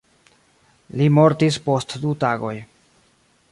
Li mortis post du tagoj.